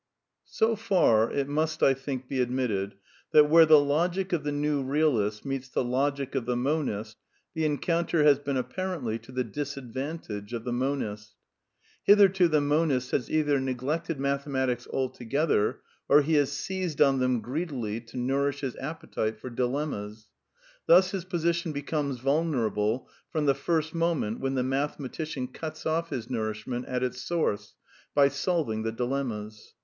It So far, it must, I think; be admitted that, where the logic of the new realist meets the logic of the monist, the encounter has been apparently to the disadvantage of the monist. Hitherto the monist has either neglected mathe matics altogether, or he has seized on them greedily to nourish his appetite for dilemmas. Thus his position be comes vulnerable from the first moment when the mathe matician cuts off his nourishment at its source by solving the dilemmas.